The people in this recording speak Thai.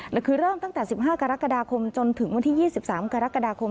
แล้วคือเริ่มตั้งแต่๑๕กรกฎาคมจนถึงวันที่๒๓กรกฎาคม